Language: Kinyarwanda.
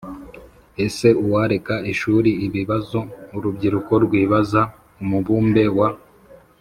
Ese uwareka ishuri Ibibazo urubyiruko rwibaza Umubumbe wa